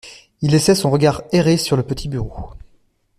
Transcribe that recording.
Il laissait son regard errer sur le petit bureau.